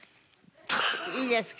いいですか？